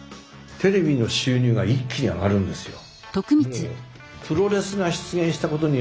テレビの収入が一気に上がるんですよ。